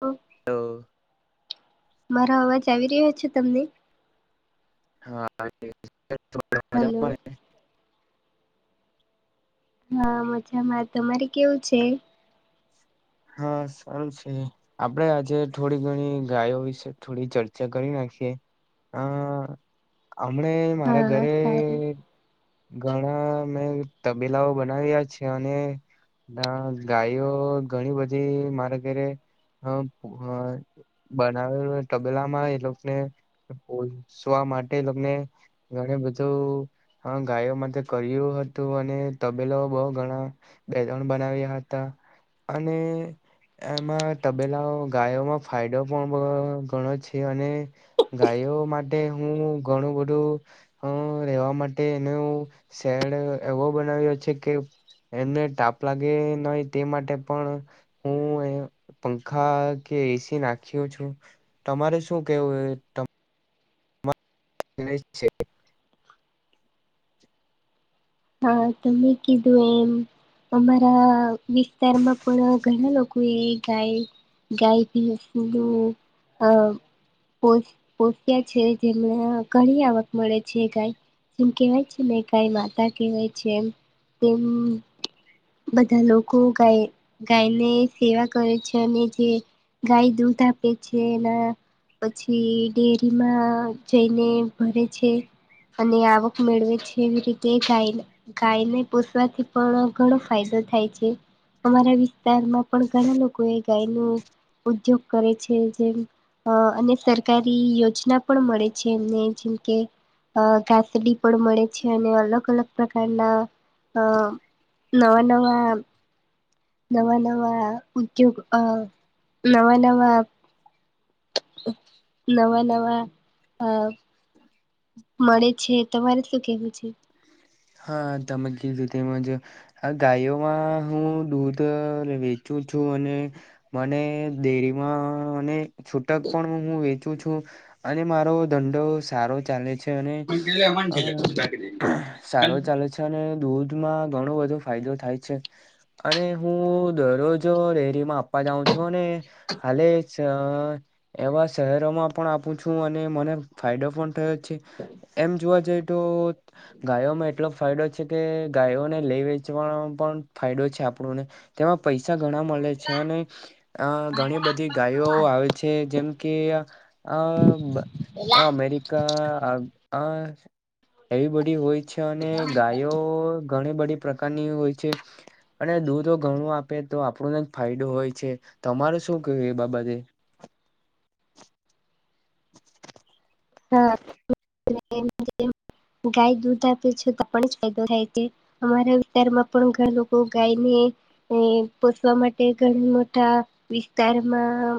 હા હેલો મારો અવાજ આવી રહ્યો છે તમને હા આવી રહ્યો છે હલો હા મજામાં તમારે કેવું છે હા સારું છે આપડે આજે થોડી ઘણી ગાયો વિશે થોડી ચર્ચા કરી નાખીએ હા હમણા મારા હા ઘરે સારું ઘણા મેં તબીલાઓ બનાવ્યા છે અને ના ગાયઓ ઘણી બધી મારે ઘરે બનાવેલું તબલામાં એ લોકોને સુવા માટે એ લોકોને ઘણ બધું ગાયો માટે કર્યું હતું અને તબેલો બહુ ઘણા બેગ્રઉડ બનાવ્યા હતા અને એમાં તબેલાઓ ગાયોમાં ફાયદો પણ ઘણો છે અને ગાયો માટે હું ઘણું બધું હ રહેેવા માટે એનો શેડ એવો બનાવ્યો છે કે એમને તાપ લાગે નય તે માટે પણ હું એ પંખા કે એસી નાખ્યો છું. તમારે શું કેવું એ તમ [inaudible] છે. હા તમે કીધું એમ અમારા વિસ્તારમાં પણ ઘણા લોકો એ ગાય. ગાય પીસું ઓલું આ પો પોષિયા છે જેમને ઘણી આવક મળે છે ગાય. જેમ કેહેવાય છે ને ગાય માતા કહેવાય છે એમ. તેમ બધા લોકો ગાય ગાયને સેવા કરે છે. અને જે ગાય દૂધ આપે છે એના પછી ડેરીમાં જઈને ભરે છે. અને આવક મેળવે છે. એવી રીતે ગાયન ગાય ને પોસવાથી પણ ઘણો ફાયદો થાય છે. અમારા વિસ્તારમાં પણ ઘણા લોકો એ ગાયનો ઉદ્યોગ કરે છે. જેમ અ અને સરકારી યોજના પણ મળે છે એમને. જેમ કે અ ઘાસડી પણ મળે છે. અને અલગ અલગ અલગ પ્રકારના અ નવા નવા નવા નવા ઉદ્યોગ અ નવા નવા નવા નવા અ હ મળે છે. તમારે શું કેવું છે? હા તમે કીધું તેમજ અ આ ગાયોમાં હું દૂધ વેચું છું અને મને ડેરીમાં અને છૂટક પણ હું વેચું છું. અને મારો ધંંધો સારો ચાલે છ છે અને અ સારો ચાલ લે છે અને દૂધમાં ઘણો બધો ફાયદો થાય છે. અને હું દરરોજ ડેરીમાં આપવા જાઉં છું. અને હાલે સ એવા શહેરોમાં પણ આપું છું અને મને ફાયદો પણ થયો. છે. એમ જોવા જઈ તો ગાયોમાં એટલો ફાયદો છે કે ગાયોને લઈ વેચવા પણ ફાયદો છે આપણુંને તેમાં પૈસા ઘણા મલે છે. અને અ ઘણી બધી ગાયો આવે છે. જેમ કે અ બ અ અમેરિકા આ એવી એવી હોય છે અને ગાયો ઘણી બધી પ્રકારની હોય છે. અને દૂધો ઘણું આપે તો આપણોને જ ફાયદો હોય છે. તમારે શું કેવું એ બાબતે? [inaudible] હા તમે જેમ કહ્યું તેમ. ગાય દૂધ આપે છે તો પણ જ ફાયદો થાય છે. અમારા વિસ્તારમાં પણ ઘણા લોકો ગાયને. એ પોસવા માટે ઘણા મોટા વિસ્તારમાં.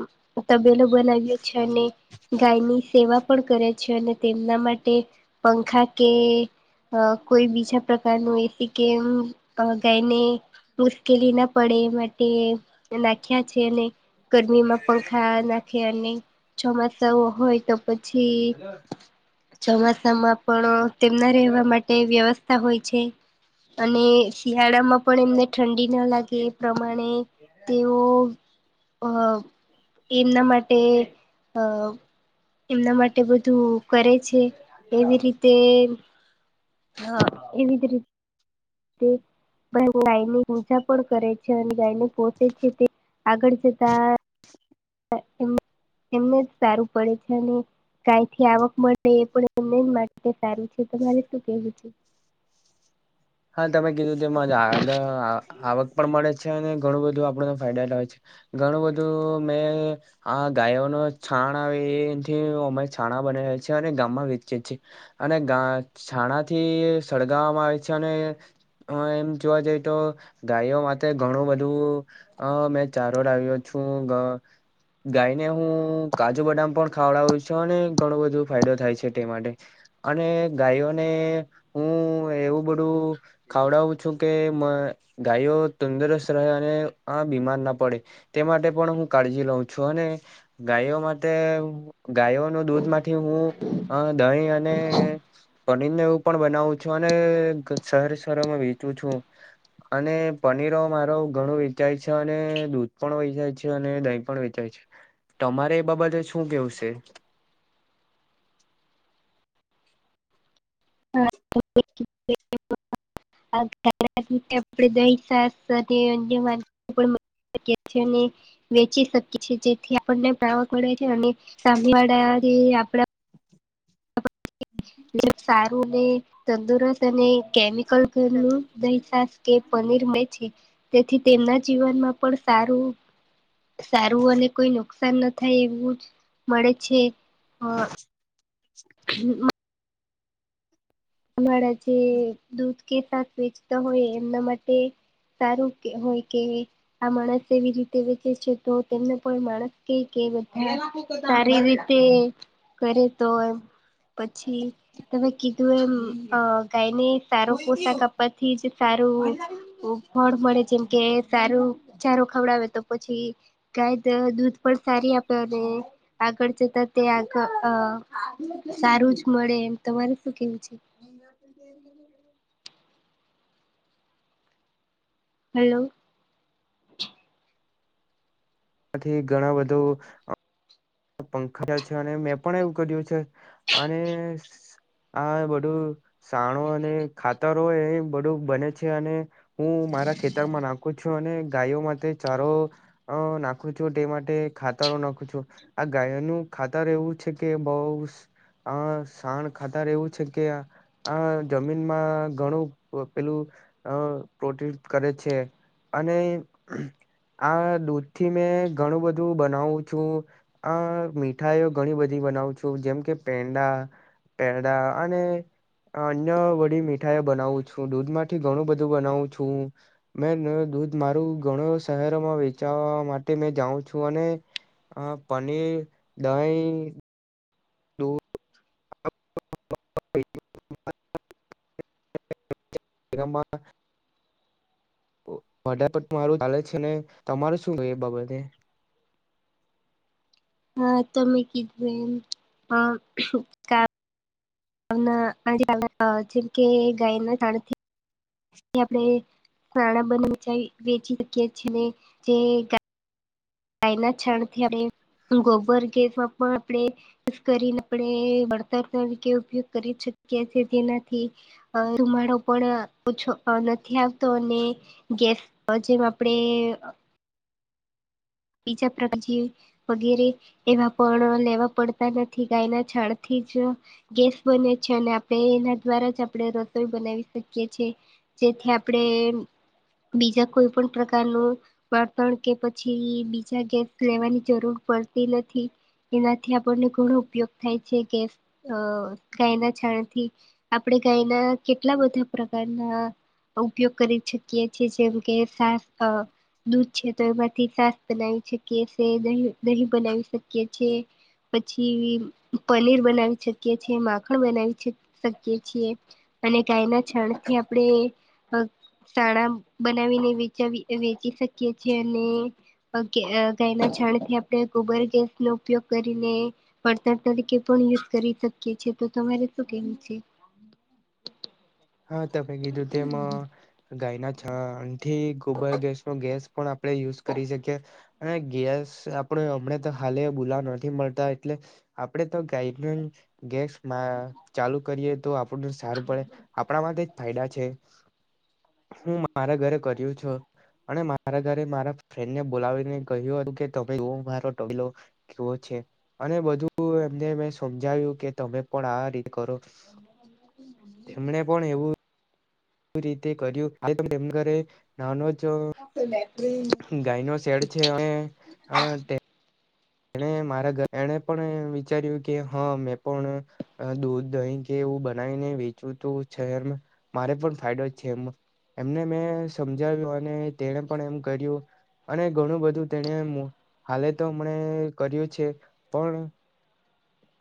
તબેલો બનાવ્યો છે અને ગાયની સેવા. પણ કરે છે અને તેમના માટે પંખા કે અ કોઈ બીજા પ્રકારનું એથી કે એમ ગાયને. મુશ્કેલી ન પડે એ માટે નાખ્યા છે અને ગરમીમાં પંખા નાખે અને ચોમાસા હોય તો. પછી ચોમાસામાં પણ તેમના રહેવા માટે વ્યવસ થા હોય છે. અને શિયાળામાં પણ એમને ઠંડી ન લાગે. એ પ્રમાણે તેઓ અ એમના માટે અ. એમના માટે બધું કરે છે એવી રીતે હા એવી જ રીતે ગાયની પૂજા પણ કરે ગાયને પોસે છે તે આગળ જતા. એ એમને જ [inaudible] કઈથી આવક મળે એ પણ માટે સારું છેરે શું કેવું છે? હા તમે કીધું તેમાં આગ આવક પણ મળે છે અને ઘણું બધું આપણને ફાયદા કારક હોય છે. ઘણું બધું મેં. હા ગાયો ન છાણ આવે એથી અમારી છાણા બને છે અને ગામમાં વેચે છે. અને ગા છાણાથી સળગાવવામાં આવે છે અને. હ એમ જોવા જઈ તો ગાયો માટે ઘણું બધું. હ મેં ચારોર આવ્યો છુ. ગાયને હું કાજુ બદામ પણ ખાવડાવું છું અને ઘણો બધો ફાયદો થાય છે તે માટે. અને ગાયોને હું એવું બધું. ખાવડાવું છું કે ગાયો તંદુરસ્ત રહે અને આ બીમાર ના પડે. તે માટે પણ હું કાળજી લઉં છું અને. ગાયો માટે ગાયો નું દૂધ માંથી હું દહીં. પનીરને એવું પણ બનાવું છું અને શહેર શરોમાં વેચું છું. અને પનીરો મારો ઘણું વેચાય છે, અને દૂધ પણ વેચાય છે અને દહીં પણ વેચાય છે. તમારે એ બાબતે શું કેવું છે? [inaudible] [inaudible] છે ને. વેચી શકીએ છેએ જેથી આપણને આવક મળે છે અને સામે વાળા આપડા. સારું ને. તંદુરસ્ત અને કેમિકલ [unintelligible] દહી કે પનીર મે છે. તેથી તેમના જીવનમાં પણ સારું. સારું અને કોઈ નુકસાન ન થાય એવું મળે છે અ. [inaudible] હમમ. તમારા જે દૂધ કે સાક વેચતા હોય એમના માટે. સારું કે હોય કે. આ માણસ એવી રીતે વેચે છે તો તેમને પણ માણસ ક કે બધા. સારી રીતે કરે તો એ પછી તમે કીધું એમ. અ ગાય ને સારું પોશાક આપ થી જ સારું. ફળ મળે જેમ કે સારું ચારું ખવડાવે તો પછી. કાય તો દૂધ પણ સારી આપેને. આગળ જતા તે આગળ સારું જ મળે એમ તમારે શું કેવું છે? એ હલો આથી ઘણા બધુ પંખા છે, અને મેં પણ એવું કર્યું છે અને હા બધું સાણો અને ખાતરો એ બધું બને છે અને હું મારા ખેતરમાં નાખું છું અને ગાયો માટે ચારો અ નાખું છું તે માટે ખાતરો નાખું છું- આ ગાયોનું ખાતર એવું છે કે બઉ- અ સાણ ખાતર એવું છે કે આ આ જમીનમાં ઘણું પેલું પ્રોટી કરે છે. અને આ દૂધ થી મેં ઘણું બધું બનાવું છું આ મીઠાઈઓ ઘણી બધી બનાવું છું જેમ કે પેંડા પેડા અને અન્ય વડી મીઠાઈઓ બનાવું છું દૂધમાંથી ઘણું બધું બનાવું છું. મેં દૂધ મારું ઘણું શહેરોમાં વેચાવા માટે મે જાઉં છું અને અ પનીર, દહી, માં [unintelligible] મારું ચાલે છે ને તમારે શું એ બાબતે? હા તમે કીધું એમ આ શું? [inaudible] જેમકે ગાયને જા આપણે પ્રાણા બને વચ વેચી શકીએ છીએ જે ગાયના છણથી આપણે ગોબર ગેસમાં પણ આપણે કરીને આપણે વળતર તરીકે ઉપયોગ કરી શકીએ છીએ તેનાથી અ ધુમાળો પણ ઓછો નથી. આવતો અને ગેસ જેમ આપડે બીજા પ્ર જે વગેરે એવા પણ લેવા પડતા નથી ગાયના છડથી જ ગેસ બને છે, અને આપણે એના દ્વારા જ આપણે રસોઈ બનાવી શકીએ છે. જેથી આપડે બીજા કોઈ પણ પ્રકારનું બણતણ કે પછી બીજા ગેસ લેવાની જરૂર પડતી નથી. એનાથી આપણને ઘણો ઉપયોગ થાય છે કે, ગેસ ગાયના છાણથી આપણેે ગાય ના કેટલા બધા પ્રકારના ઉપયોગ કરી શકીએ છીએ જેમ કે છાસ દૂધ છે તો એમાંથી છા બનાવી શકીએ છે દહી, દહીં બનાવી શકીએ છે પછી પનીર બનાવી શકીએ છીએ, માખણ બનાવી શકીએ છીએ અને ગાયના છણથી આપણે સાણા બનાવીને વેચાવિ વેચી શકીએ છેએ અને ગાયના છણથી આપણે ગોબર ગેસ નો ઉપયોગ કરીને પડતર તરીકે પણ યુઝ કરી શકીએ છેએ તો તમારે શું કેવું છે. હા તમે કીધું તેમાં ગાયના - આથી ગોબર ગેસ નો ગેસ પણ આપણે યુઝ કરી શકીએ- અને ગેસ આપડે હમણે તો ખાલી ભુલા નથી મળતા એટલે આપડે તો ગાઈડન્સ ગેસ મા ચાલુ કરીએ તો આપણ સારું પડે આપણા માટે જ ફાયદા છે, હું મારા ઘરે કર્યું છે. અને મારા ઘરે મારા- ફ્રેન્ડને બોલાવીને કહ્યું હતું કે તમે મારો ટલો કેવો છે, અને બધું એમને મે સમજાવ્યું કે તમે પણ આ રીત કરો. તેમણે પણ એવું રીતે કર્યું આ ત એમ કરે નાનો જ ગાય નો શેડ છે. અને એણે મારા ઘ એણે પણ વિચાર્યું કે હા મેં પણ- દૂધ દહીં કે એવું બનાવીને વેચવું તો છેર મારે પણ ફાયદો છે એ- એમને મેં સમજાવ્યું અને તેને પણ એમ કર્યું અને ઘણું બધું તેને હાલે તો મને કર્યું છે પણ-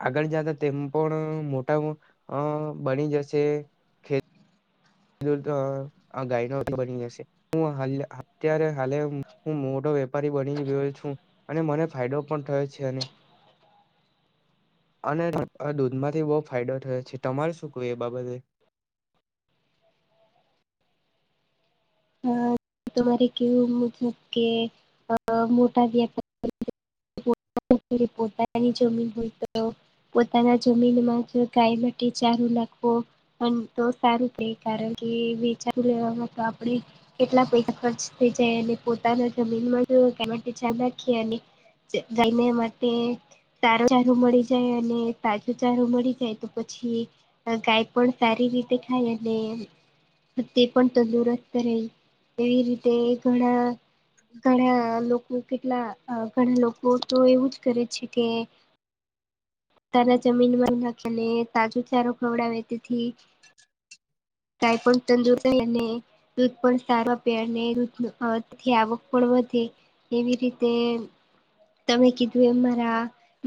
આગળ જતા તેમ પણ મોટા બની જશે- તો ગાયનો તો બની જશે- હું હ અત્યારે હાલે હું મોટો વેપારી બની ગયો છું. અને મને ફાયદો પણ થયો છે એ- [inaudible] અને દૂધમાંથી બહુ ફાયદો થયો છે તમારે શું કવું એ બાબતે- અ તરે કેવું મતલબ કે મોટા વ્યાપાર- રપતા જમીન હોય તો- પોતાના જમીનમાં ગાય માટે ચારું નાખવો- પણ તો સારું ક કારણ કે વચારુ લેવામાં તો આપણે- કેટલા પૈસા ખર્ચ થઈ જાય અને પોતાના જમીનમાં માટે ધ્યાન નાખીએ અને- ગલમે માટે- તારું ચારું મળી જાય અને તાજું ચારું મળી જાય તો પછી- ગાય પણ સારી રીતે ખાય તે પણ તંદુરસ્ત- કર એવી રીતે ઘણા- ઘણા લોકો કેટલા ઘણા લોકો તો એવું જ કરે છે કે- ત જમીનમાં નાખને તાજો ચારો ખવડાવે તેથી- કઈ પણ તજરસ એ ને- દૂધ પણ સારું આપે અને દૂધથી આવક પણ વધે- એવી રીતે તમે કીધું એ મારા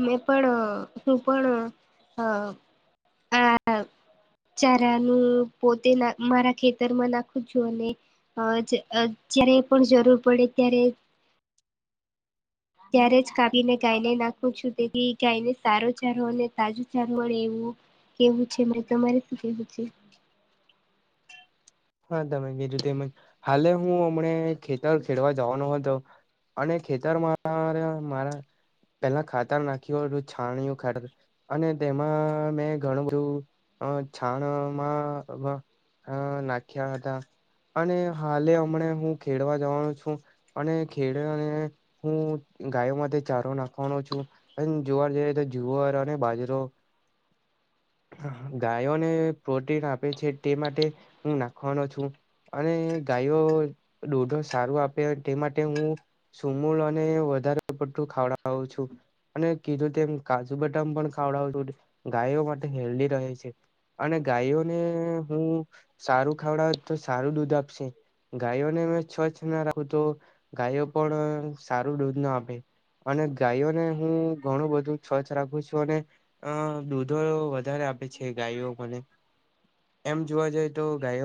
મેં પણ- તું પણ હ આ ચારાનું પોતે મારા ખેતરમાં નાખું છું ને અ જયારે પણ જરૂર પડે ત્યારે ત્યારે જ કાપીને ગાયને નાખું છું તેથી ગાયને સારો ચારો અને તાજું ચાર મળે એવું કેવું છે તમારે શું કેવું છે? હા તમે કીધું તેમજ, હાલે હું અમને ખેતર ખેડવા જવાનો હતો અને ખેતર મા મારા પેલા ખાતર નાખયુ તું છાણીયુ ખા અને તેમાં મેં ઘણું બધું છાણમાં હ નાખ્યા હતા અને હાલે હમણા હું ખેડવા જવાનો છું અને ખેડ ને હું ગાયો માટે ચારો નાખવાનો છું અને જોવાર જઈ તો જુવાર અને બાજરો ગાયોને પ્રોટીન આપે છે તે માટે હું નાખવાનો છું. અને ગાયો દોઢો સારું આપે તે માટે હું સુુંમૂળ અને વધારે પડતું ખવડાવું છું. અને કીધું તેમ કાજુ બટામ પણ ખાવડાવું ગાયો માટે હેલ્ધી રહે છે. અને ગાયોને હું સારું ખાવડાવ તો સારું દૂધ આપશે. ગાયોને મે સ્વચછ ના રાખું તો ગાયો પણ સારું દૂધ ના આપે. અને ગાયોને હું ઘણું બધું સ્વચ્છ રાખું છું અને અ દૂધો વધારે આપે છે ગાયો મને. એમ જોવા જઈ તો ગાયો